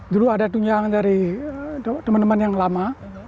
dulu ada tunjangan dari teman teman yang lama